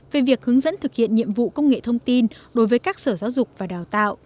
về việc hướng dẫn thực hiện nhiệm vụ công nghệ thông tin đối với các sở giáo